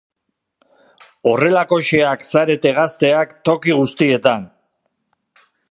Horrelakoxeak zarete gazteak toki guztietan.